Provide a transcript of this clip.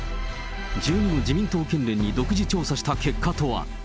１２の自民党県連に独自調査した結果とは。